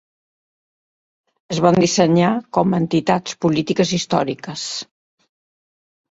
Es van dissenyar com "entitats polítiques històriques".